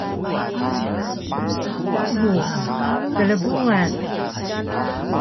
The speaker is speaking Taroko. Bubu: Krbuan!